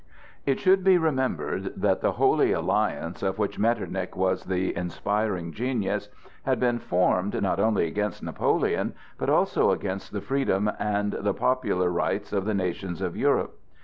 It should be remembered that the Holy Alliance, of which Metternich was the inspiring genius, had been formed not only against Napoleon, but also against the freedom and the popular rights of the nations of Europe.